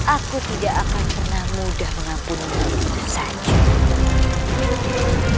aku tidak akan pernah mudah mengapung saja